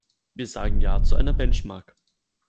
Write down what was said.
Wir sagen Ja zu einer Benchmark.